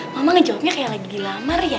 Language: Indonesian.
mama ngejawabnya kayak lagi lamar ya